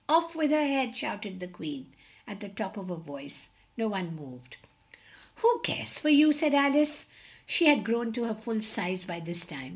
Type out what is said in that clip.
"Off with her head!" shout ed the Queen at the top of her voice. No one moved. "Who cares for you?" said Al ice. (She had grown to her full size by this time.)